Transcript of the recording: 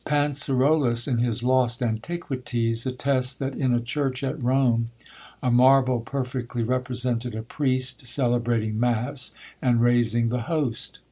Pancirollus, in his Lost Antiquities, attests, that in a church at Rome, a marble perfectly represented a priest celebrating mass, and raising the host.